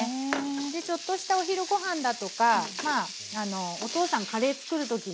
でちょっとしたお昼ごはんだとかお父さんカレー作る時にね。